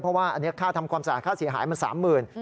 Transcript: เพราะว่าอันนี้ค่าทำความสะอาดค่าเสียหายมัน๓๐๐๐บาท